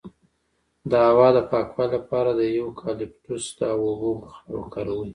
د هوا د پاکوالي لپاره د یوکالیپټوس او اوبو بخار وکاروئ